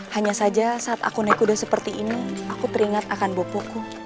hanya saja saat aku naik kuda seperti ini aku teringat akan bopuku